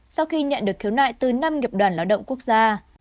sau khi nhận được khiếu nại từ năm nghiệp đoàn lao động quốc gia